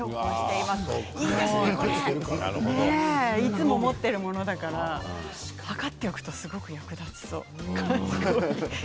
いいですね、これいつも持っているものだから測っておくとすごく役立ちそう。